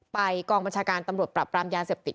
กองบัญชาการตำรวจปรับปรามยาเสพติด